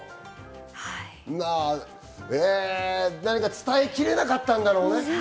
伝えきれなかったんだろうね。